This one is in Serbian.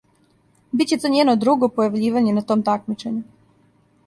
Биће то њено друго појављивање на том такмичењу.